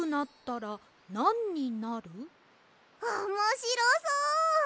おもしろそう！